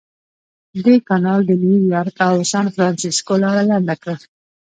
دې کانال د نیویارک او سانفرانسیسکو لاره لنډه کړه.